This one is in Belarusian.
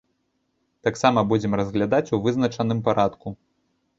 Таксама будзем разглядаць у вызначаным парадку.